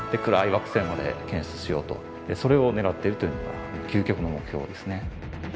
それを狙っているというのが究極の目標ですね。